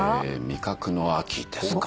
味覚の秋ですかね。